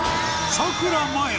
さくらまや